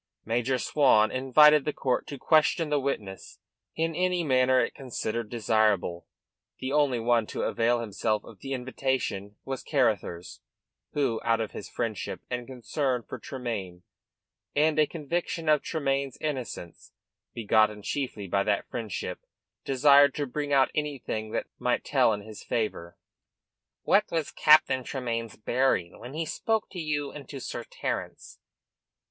Major Swan invited the court to question the witness in any manner it considered desirable. The only one to avail himself of the invitation was Carruthers, who, out of his friendship and concern for Tremayne and a conviction of Tremayne's innocence begotten chiefly by that friendship desired to bring out anything that might tell in his favour. "What was Captain Tremayne's bearing when he spoke to you and to Sir Terence?"